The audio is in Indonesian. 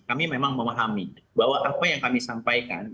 kami memang memahami bahwa apa yang kami sampaikan